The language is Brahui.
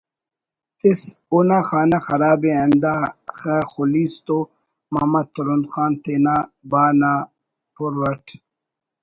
تس“ ”اونا خانہ خرابءِ ہندا خہ خلیس تو“ماما ترند خان تینا با نا پُر اٹ